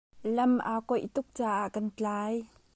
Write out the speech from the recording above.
Lam aa kuaih tuk caah kan tlai.